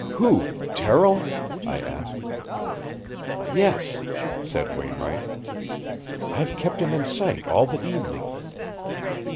"Who? Terrill?" I asked. "Yes," said Wainwright. "I've kept him in sight all the evening."